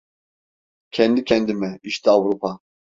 Kendi kendime: İşte Avrupa!